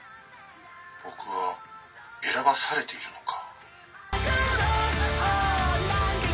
僕は選ばされているのか」。